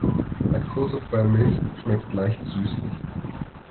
Laktosefreie Milch schmeckt leicht süßlich.